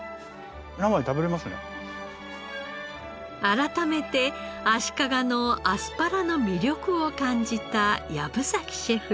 改めて足利のアスパラの魅力を感じた薮崎シェフ。